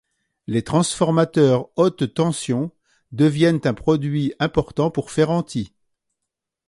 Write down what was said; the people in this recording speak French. Les transformateurs haute tension deviennent un produit important pour Ferranti.